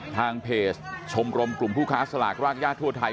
ทางเพจชมรมกลุ่มผู้ค้าสลากรากญาติทั่วไทย